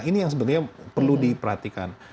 ini yang sebetulnya perlu diperhatikan